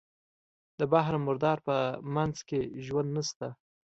د بحر مردار په منځ کې ژوند نشته.